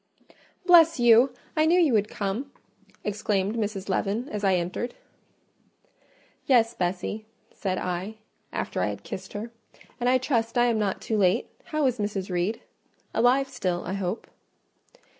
"Bless you!—I knew you would come!" exclaimed Mrs. Leaven, as I entered. "Yes, Bessie," said I, after I had kissed her; "and I trust I am not too late. How is Mrs. Reed?—Alive still, I hope."